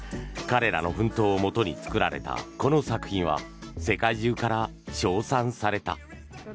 彼らの奮闘をもとに作られたこの作品は世界中から称賛された。